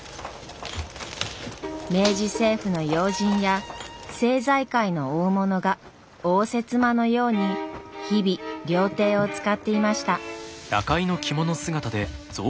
明治政府の要人や政財界の大物が応接間のように日々料亭を使っていました。